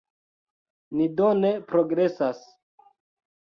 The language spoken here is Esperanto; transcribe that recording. Ni do ne progresas.